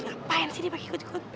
ngapain sih dia bakal ikut